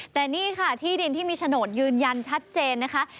แต่นี่ค่ะที่ดินที่มีโฉนดยืนยันชัดเจนนะคะ